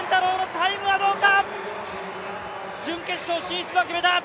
タイムはどうか？